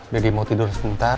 jadi mau tidur sebentar